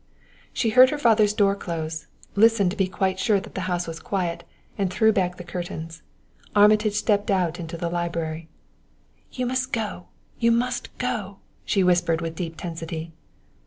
She heard her father's door close, listened to be quite sure that the house was quiet, and threw back the curtains. Armitage stepped out into the library. "You must go you must go!" she whispered with deep tensity.